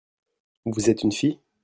Vous êtes une fille ?